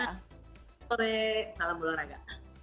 selamat sore salam olahraga